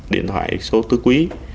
điện thoại số tư quý